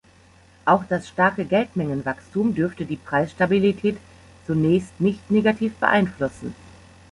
Auch das starke Geldmengenwachstum dürfte die Preisstabilität zunächst nicht negativ beeinflussen.